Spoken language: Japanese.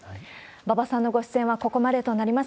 馬場さんのご出演はここまでとなります。